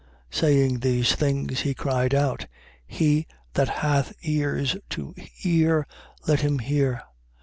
Saying these things, he cried out: He that hath ears to hear, let him hear.